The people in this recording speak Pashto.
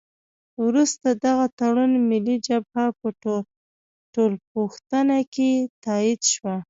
وروسته دغه تړون ملي جبهه په ټولپوښتنه کې تایید شو.